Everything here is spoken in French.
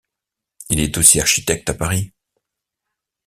Il est aussi architecte à Paris.